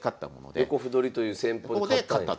横歩取りという戦法で勝ったんや。